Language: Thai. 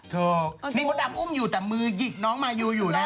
เธอนี่มดดำอุ้มอยู่แต่มือหยิกน้องมายูอยู่นะ